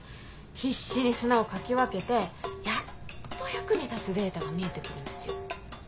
必死に砂をかき分けてやっと役に立つデータが見えて来るんですよ。